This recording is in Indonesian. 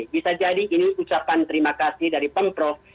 bisa jadi ini ucapan terima kasih dari pemprov